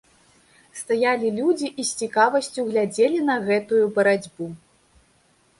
Стаялі людзі і з цікавасцю глядзелі на гэтую барацьбу.